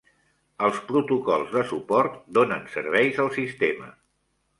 Els protocols de suport donen serveis al sistema.